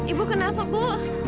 ibu kenapa bu